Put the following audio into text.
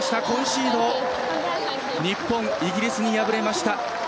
コンシード、日本、イギリスに敗れました。